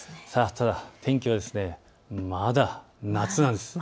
ただ天気はまだ夏なんです。